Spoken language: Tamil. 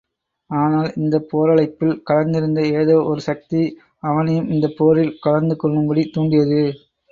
ஆனால் இந்தப் போரழைப்பில் கலந்திருந்த ஏதோ ஒரு சக்தி அவனையும் இந்தப் போரில் கலந்து கொள்ளும்படி தூண்டியது.